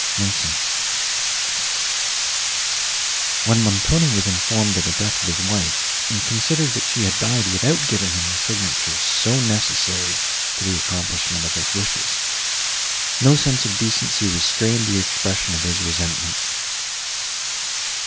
MASON When Montoni was informed of the death of his wife, and considered that she had died without giving him the signature so necessary to the accomplishment of his wishes, no sense of decency restrained the expression of his resentment.